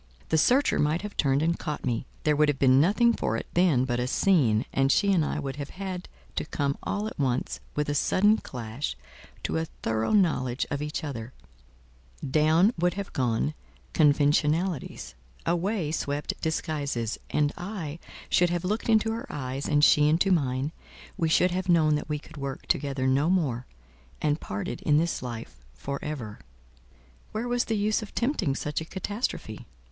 The searcher might have turned and caught me; there would have been nothing for it then but a scene, and she and I would have had to come all at once, with a sudden clash, to a thorough knowledge of each other: down would have gone conventionalities, away swept disguises, and I should have looked into her eyes, and she into mine—we should have known that we could work together no more, and parted in this life for ever. Where was the use of tempting such a catastrophe?